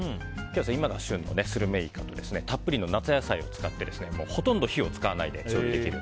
今が旬のスルメイカとたっぷりの夏野菜を使ってほとんど火を使わないで調理できる。